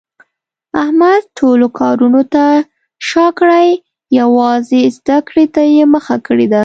احمد ټولو کارونو ته شاکړې یووازې زده کړې ته یې مخه کړې ده.